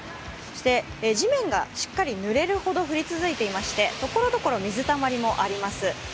そして地面がしっかりぬれるほど降り続いていましてところどころ水たまりもあります。